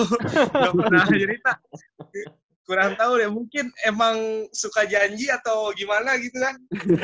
nggak pernah cerita kurang tahu ya mungkin emang suka janji atau gimana gitu kan